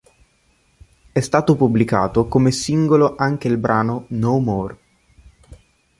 È stato pubblicato come singolo anche il brano "No More".